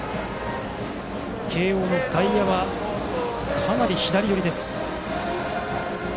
慶応の外野、かなり左寄り。